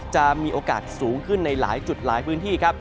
จะมีโอกาสสูงขึ้นในหลายจุดหลายพื้นที่ครับ